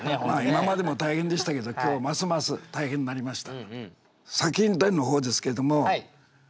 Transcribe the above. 今までも大変でしたけど今日ますます大変になりました。